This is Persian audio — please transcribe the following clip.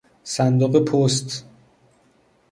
صندوق پست